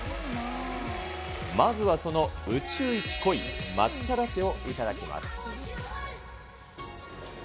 まずはその宇宙一濃い抹茶ラテを頂きます。